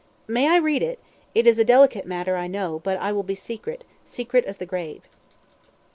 "May I read it? It is a delicate matter, I know; but I will be secret secret as the grave."